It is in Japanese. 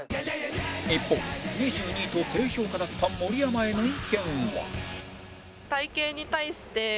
一方２２位と低評価だった盛山への意見は？